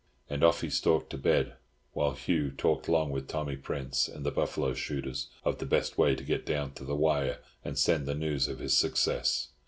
And off he stalked to bed, while Hugh talked long with Tommy Prince and the buffalo shooters of the best way to get down to the wire and send the news of his success.